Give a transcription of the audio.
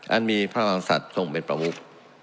อันมีพระมหากษัตริย์ทรงเป็นประมุก